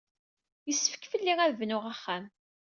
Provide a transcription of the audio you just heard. Yessefk fell-i ad d-bnuɣ axxam.